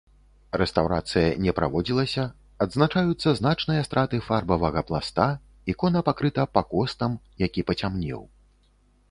Рэстаўрацыя не праводзілася, адзначаюцца значныя страты фарбавага пласта, ікона пакрыта пакостам, які пацямнеў.